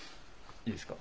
いいですか。